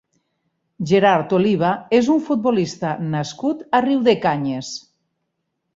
Gerard Oliva és un futbolista nascut a Riudecanyes.